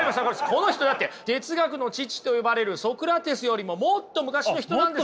この人だって哲学の父と呼ばれるソクラテスよりももっと昔の人なんですよ。